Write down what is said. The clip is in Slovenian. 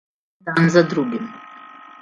En dan za drugim.